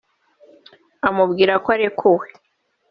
amubwira ko arekuwe